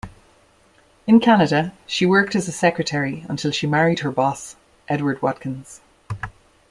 In Canada, she worked as a secretary until she married her boss, Edward Watkins.